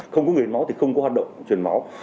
không có người hiến máu thì không có hoạt động truyền máu